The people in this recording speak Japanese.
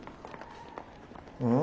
うん？